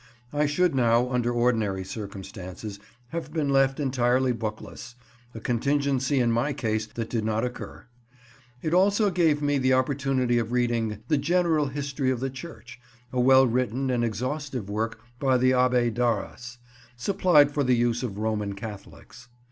I should now, under ordinary circumstances, have been left entirely bookless—a contingency in my case that did not occur. It also gave me the opportunity of reading "The General History of the Church," a well written and exhaustive work by the Abbé Daras, supplied for the use of Roman Catholics.